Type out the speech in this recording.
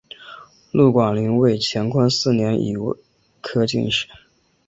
陆广霖为乾隆四年己未科进士。